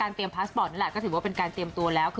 เตรียมพาสปอร์ตนั่นแหละก็ถือว่าเป็นการเตรียมตัวแล้ว